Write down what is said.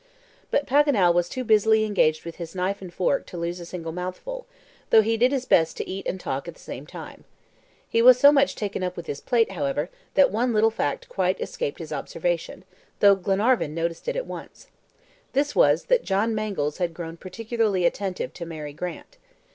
But Paganel was too busily engaged with his knife and fork to lose a single mouthful, though he did his best to eat and talk at the same time. He was so much taken up with his plate, however, that one little fact quite escaped his observation, though Glenarvan noticed it at once. This was, that John Mangles had grown particularly attentive to Mary Grant.